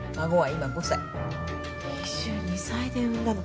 ２２歳で産んだの。